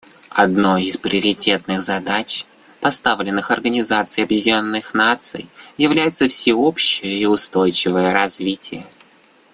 Одной из приоритетных задач, поставленных Организацией Объединенных Наций, является всеобщее и устойчивое развитие.